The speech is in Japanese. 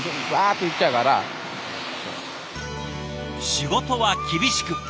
仕事は厳しく。